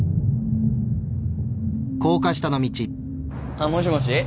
あっもしもし？